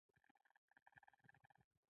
سارې نن ډېره ښکلې غاړه اچولې ده.